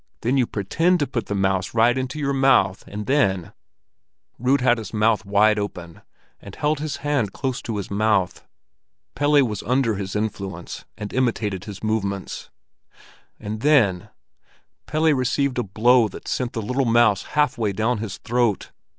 Then you pretend to put the mouse right into your mouth, and then—" Rud had his mouth wide open, and held his hand close to his mouth; Pelle was under his influence, and imitated his movements—"and then—" Pelle received a blow that sent the little mouse halfway down his throat.